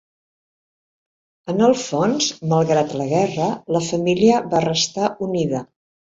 En el fons, malgrat la guerra, la família va restar unida.